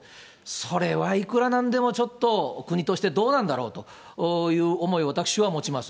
それはいくらなんでも、ちょっと国としてどうなんだろうという思いを、私は持ちます。